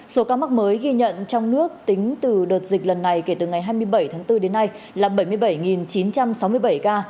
số ca mắc mới ghi nhận trong nước tính từ đợt dịch lần này kể từ ngày hai mươi bảy tháng bốn đến nay là bảy mươi bảy chín trăm sáu mươi bảy ca